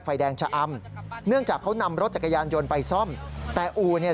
ไฟแดงชะอำเนื่องจากเขานำรถจักรยานยนต์ไปซ่อมแต่อู่เนี่ย